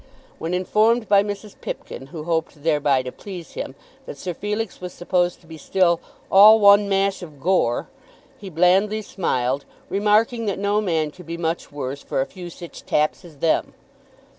When informed by Mrs. Pipkin, who hoped thereby to please him, that Sir Felix was supposed to be still "all one mash of gore," he blandly smiled, remarking that no man could be much the worse for a "few sich taps as them."